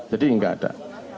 jadi enggak ada